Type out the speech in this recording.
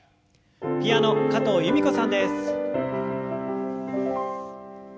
ピアノ加藤由美子さんです。